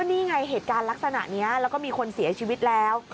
นี่ไงเหตุการณ์ลักษณะนี้แล้วก็มีคนเสียชีวิตแล้ว